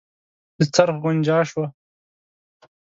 د څرخ غنجا شوه.